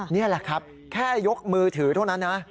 นี่แหละครับแค่ยกมือถือเท่านั้นนะ